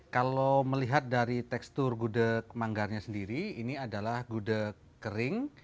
kalau melihat dari tekstur gudeg manggarnya sendiri ini adalah gudeg kering